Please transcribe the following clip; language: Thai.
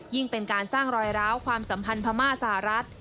เป็นการสร้างรอยร้าวความสัมพันธ์พม่าสหรัฐ